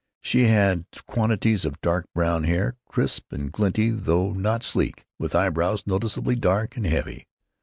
She had quantities of dark brown hair, crisp and glinty, though not sleek, with eyebrows noticeably dark and heavy.